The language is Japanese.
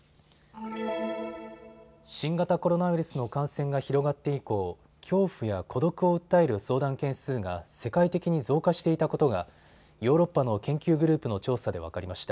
新型コロナウイルスの感染が広がって以降、恐怖や孤独を訴える相談件数が世界的に増加していたことがヨーロッパの研究グループの調査で分かりました。